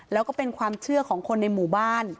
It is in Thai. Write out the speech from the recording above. แล้วก็เป็นความเชื่อของคนในหมู่บ้าน